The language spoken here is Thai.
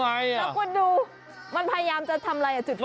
แล้วคุณดูมันพยายามจะทำอะไรจุด